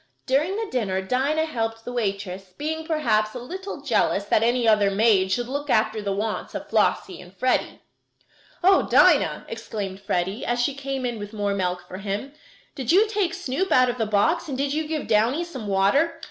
During the dinner, Dinah helped the waitress, being perhaps a little jealous that any other maid should look after the wants of Flossie and Freddie. "Oh, Dinah!" exclaimed Freddie, as she came in with more milk for him, "did you take Snoop out of the box and did you give Downy some water?"